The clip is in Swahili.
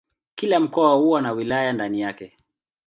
Kila mkoa huwa na wilaya ndani yake.